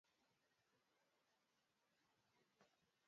Uajemi aliye na nafasi ya pili baada ya Kiongozi Mkuu Huchaguliwa